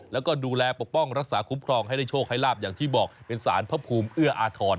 แล้วก็ดูแลปกป้องรักษาคุ้มครองให้ได้โชคให้ลาบอย่างที่บอกเป็นสารพระภูมิเอื้ออาทร